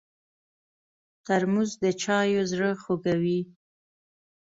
ترموز د چایو زړه خوږوي.